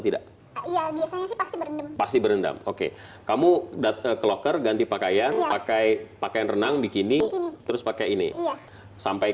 tidak pasti berendam oke kamu kloker ganti pakaian pakai pakaian renang bikini terus pakai ini sampai